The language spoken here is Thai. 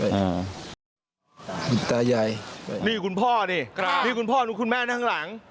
อ่าตาใยนี่คุณพ่อนี่ครับนี่คุณพ่อนี่คุณแม่นั่งหลัง